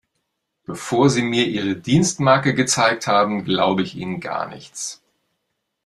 Bevor Sie mir Ihre Dienstmarke gezeigt haben, glaube ich Ihnen gar nichts.